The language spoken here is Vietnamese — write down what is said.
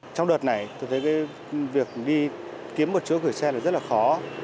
trong đợt này tôi thấy cái việc đi kiếm một chỗ gửi xe là rất là khó